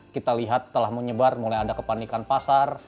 kita lihat telah menyebar mulai ada kepanikan pasar